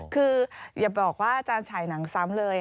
คืออย่าบอกว่าอาจารย์ฉายหนังซ้ำเลย